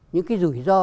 những cái rủi ro